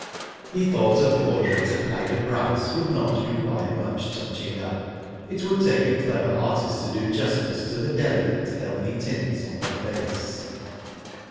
He thought a portrait of Ida Bryce would not require much touching up. It would take a clever artist to do justice to the delicate, healthy tints on her face.